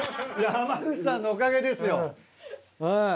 濱口さんのおかげですようん。